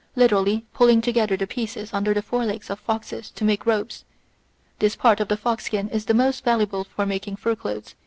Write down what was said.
Literally, "putting together the pieces under the forelegs (of foxes) to make robes." This part of the fox skin is the most valuable for making fur clothes.